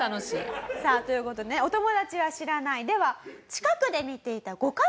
さあという事でねお友達は知らない。